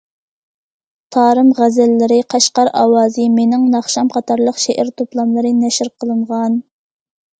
‹‹ تارىم غەزەللىرى››،‹‹ قەشقەر ئاۋازى››،‹‹ مېنىڭ ناخشام›› قاتارلىق شېئىر توپلاملىرى نەشر قىلىنغان.